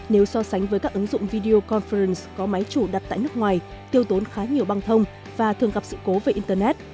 nếu so sánh với các ứng dụng video conference có máy chủ đặt tại nước ngoài tiêu tốn khá nhiều băng thông và thường gặp sự cố về internet